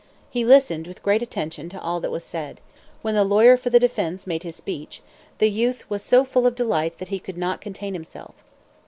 He listened with great attention to all that was said. When the lawyer for the defense made his speech, the youth was so full of delight that he could not contain himself.